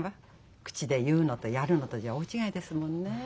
口で言うのとやるのとじゃ大違いですもんねえ。